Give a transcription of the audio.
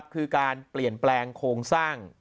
คือการเปลี่ยนแปลงโครงสร้าง